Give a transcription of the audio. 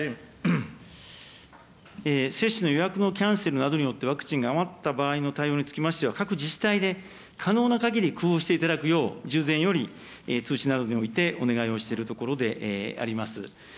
接種の予約のキャンセルなどによって、ワクチンが余った場合の対応につきましては、各自治体で可能なかぎり工夫していただくよう、従前より通知などにおいてお願いをしているところであります。